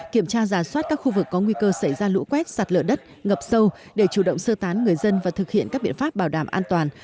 kiểm tra giả soát các khu vực có nguy cơ xảy ra lũ quét sạt lở đất ngập sâu để chủ động sơ tán người dân và thực hiện các biện pháp bảo đảm an toàn